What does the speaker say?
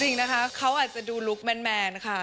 จริงนะคะเขาอาจจะดูลุคแมนค่ะ